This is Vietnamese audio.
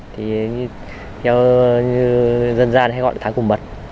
thì như dân gian hay gọi là tháng cùng mật